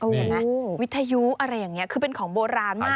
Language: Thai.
เห็นไหมวิทยุอะไรอย่างนี้คือเป็นของโบราณมาก